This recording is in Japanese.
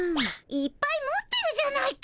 いっぱい持ってるじゃないか。